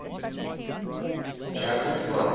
CHAPTER 12.